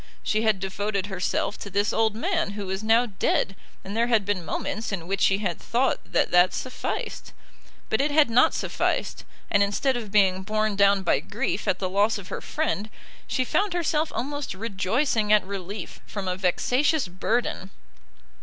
She had devoted herself to this old man who was now dead, and there had been moments in which she had thought that that sufficed. But it had not sufficed, and instead of being borne down by grief at the loss of her friend, she found herself almost rejoicing at relief from a vexatious burden.